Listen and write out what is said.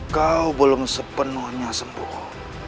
kau belum sepenuhnya sembuh